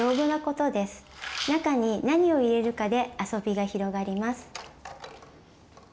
中に何を入れるかであそびが広がります。